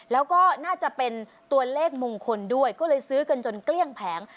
แล้วก็น่าจะเป็นตัวเลขมงคลด้วยก็เลยซื้อกันจนเกลี้ยงแผง